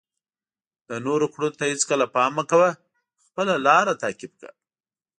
د نورو کړنو ته هیڅکله پام مه کوه، خپله لاره تعقیب کړه.